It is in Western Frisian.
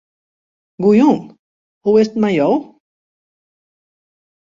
Goejûn, hoe is 't mei jo?